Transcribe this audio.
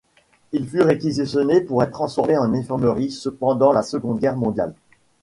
Il fut réquisitionné pour être transformé en infirmerie pendant la Seconde Guerre mondiale.